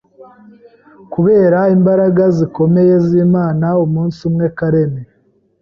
Kubera imbaraga zikomeye z’Imana, umunsi umwe Karen